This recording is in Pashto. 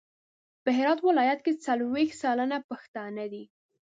په هرات ولایت کې څلویښت سلنه پښتانه دي.